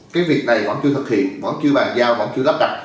cái việc này vẫn chưa thực hiện vẫn chưa bàn giao vẫn chưa lắp đặt